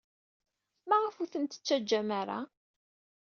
Maɣef ur tent-tettaǧǧam ara?